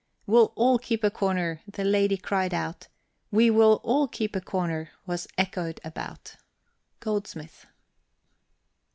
"We'll all keep a corner," the lady cried out; "We will all keep a corner!" was echoed about. GOLDSMITH.